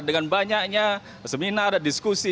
dengan banyaknya seminar diskusi